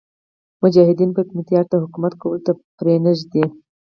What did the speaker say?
مجاهدین به حکمتیار ته حکومت کولو ته پرې نه ږدي.